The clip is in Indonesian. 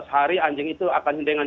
empat hari anjing itu akan dengan